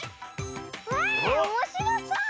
へえおもしろそう。